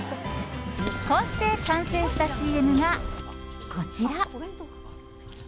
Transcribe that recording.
こうして完成したＣＭがこちら。